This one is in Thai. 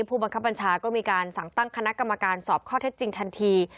ผู้บังคับบัญชาก็มีการสั่งตั้งคณะกรรมการสอบข้อเท็จจริงทันที